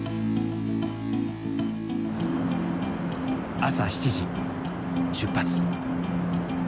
朝７時出発。